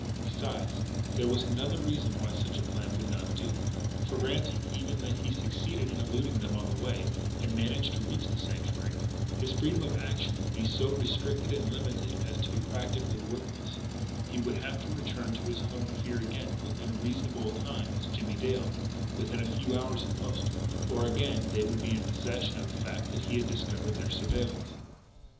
Besides, there was another reason why such a plan would not do; for, granting even that he succeeded in eluding them on the way, and managed to reach the Sanctuary, his freedom of action would be so restricted and limited as to be practically worthless he would have to return to his home here again within a reasonable time as Jimmie Dale, within a few hours at most or again they would be in possession of the fact that he had discovered their surveillance.